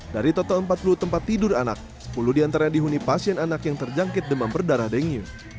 dari total empat puluh tempat tidur anak sepuluh diantaranya dihuni pasien anak yang terjangkit demam berdarah dengu